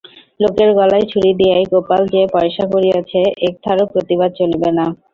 লোকের গলায় ছুরি দিয়াই গোপাল যে পয়সা করিয়াছে একথারও প্রতিবাদ চলিবে না।